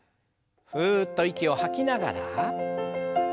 ふっと息を吐きながら。